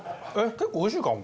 結構おいしいかも。